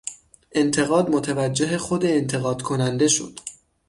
انتقاد متوجه خود انتقاد کننده شد.